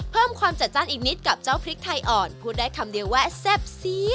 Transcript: เพิ่มความจัดจ้านอีกนิดกับเจ้าพริกไทยอ่อนพูดได้คำเดียวว่าแซ่บซี